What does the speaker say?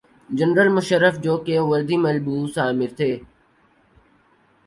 General Musharraf جوکہ وردی ملبوس آمر تھے۔